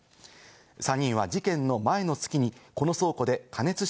３人は事件の前の月にこの倉庫で加熱式